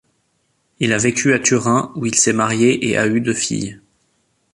Il a vécu à Turin, où il s'est marié et a eu deux filles.